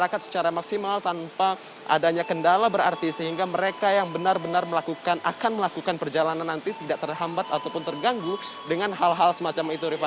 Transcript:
masyarakat secara maksimal tanpa adanya kendala berarti sehingga mereka yang benar benar melakukan akan melakukan perjalanan nanti tidak terhambat ataupun terganggu dengan hal hal semacam itu rifana